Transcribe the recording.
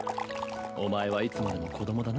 お前はいつまでも子供だな